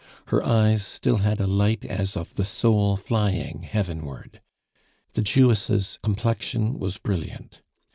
Her eyes still had a light as of the soul flying heavenward. The Jewess' complexion was brilliant.